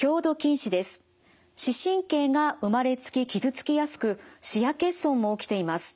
視神経が生まれつき傷つきやすく視野欠損も起きています。